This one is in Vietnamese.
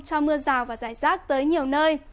cho mưa rào và rải rác tới nhiều nơi